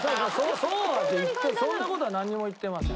そんな事は何も言ってません。